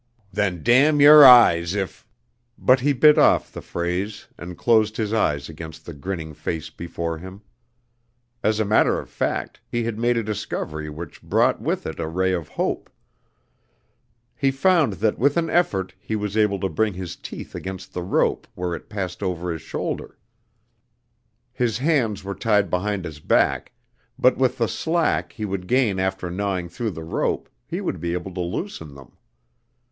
"Then damn your eyes if " But he bit off the phrase and closed his eyes against the grinning face before him. As a matter of fact, he had made a discovery which brought with it a ray of hope. He found that with an effort he was able to bring his teeth against the rope where it passed over his shoulder. His hands were tied behind his back, but with the slack he would gain after gnawing through the rope, he would be able to loosen them.